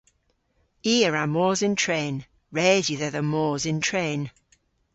I a wra mos yn tren. Res yw dhedha mos yn tren.